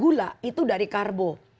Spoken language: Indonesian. gula itu dari karbo